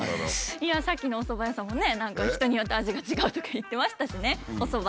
いやさっきのおそば屋さんもね何か人によって味が違うとか言ってましたしねおそば。